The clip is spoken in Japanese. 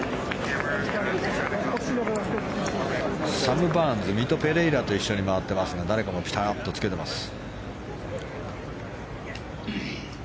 サム・バーンズミト・ペレイラと一緒に回っていますがピタッとつけています。